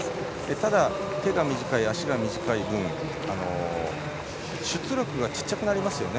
ただ手が短い、足が短い分出力が小さくなりますよね。